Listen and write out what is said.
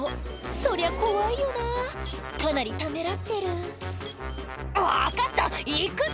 そりゃ怖いよなかなりためらってる「分かった行くって」